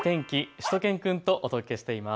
しゅと犬くんとお届けしています。